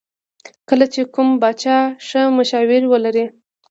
کله چې کوم پاچا ښه مشاورین ولري.